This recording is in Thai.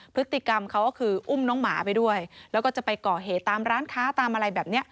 พฤติกรรมเขาก็คืออุ้มน้องหมาไปด้วยแล้วก็จะไปก่อเหตุตามร้านค้าตามอะไรแบบนี้